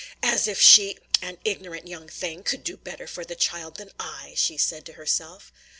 "As if she an ignorant young thing could do better for the child than I!" she said to herself.